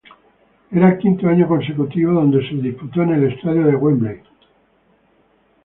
Era el quinto año consecutivo donde se disputó en el Estadio de Wembley.